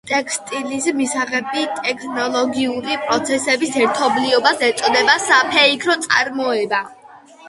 ტექსტილის მისაღები ტექნოლოგიური პროცესების ერთობლიობას ეწოდება საფეიქრო წარმოება.